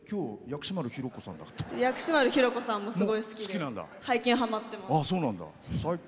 薬師丸ひろ子さんもすごい好きで最近ハマってます。